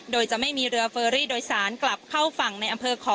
โดยจะไม่มีเรือเฟอรี่โดยสารกลับเข้าฝั่งในอำเภอขอ